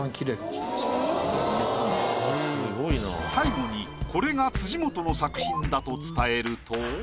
最後にこれが辻元の作品だと伝えると。